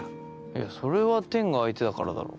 いやそれはてんが相手だからだろ？